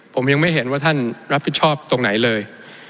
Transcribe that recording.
ผมยังไม่เห็นว่าท่านรับผิดชอบตรงไหนเลย